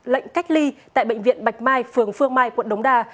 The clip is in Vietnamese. lệnh cách ly tại bệnh viện bạch mai phường phương mai quận đống đa